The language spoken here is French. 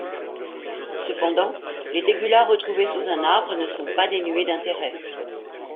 Cependant, Les tegula retrouvées sous un arbre ne sont pas dénuées d'intérêt.